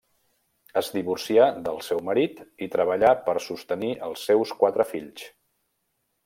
Es divorcià del seu marit i treballà per sostenir els seus quatre fills.